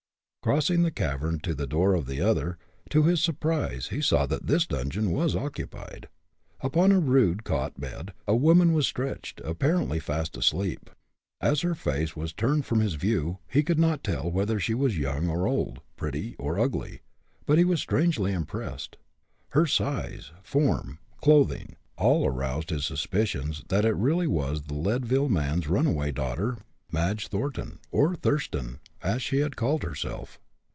Crossing the cavern to the door of the other, to his surprise he saw that this dungeon was occupied. Upon a rude cot bed, a woman was stretched, apparently fast asleep. As her face was turned from his view, he could not tell whether she was young or old, pretty or ugly, but he was strangely impressed. Her size form clothing, all aroused his suspicions that it really was the Leadville man's runaway daughter Madge Thornton, or Thurston, as she had called herself.